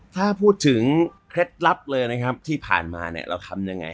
ถ้าพูดถึงเคล็ดลับเลยนะครับที่ผ่านมาเนี่ยเราทำยังไง